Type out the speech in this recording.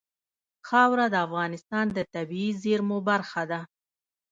خاوره د افغانستان د طبیعي زیرمو برخه ده.